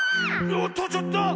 おっとちょっと！